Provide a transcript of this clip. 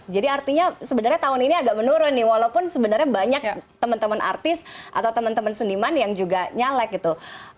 jadi artinya sebenarnya tahun ini agak menurun nih walaupun sebenarnya banyak teman teman artis atau teman teman seniman yang juga nyalek gitu